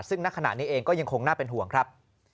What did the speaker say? ซึ่งณขณะนี้เองก็ยังคงน่าเป็นห่วงครับ